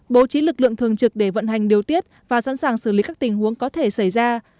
bố trí lực lượng thường trực để vận hành điều tiết và sẵn sàng xử lý các tình huống có thể xảy ra